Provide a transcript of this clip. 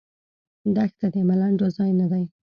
دښته د ملنډو ځای نه دی.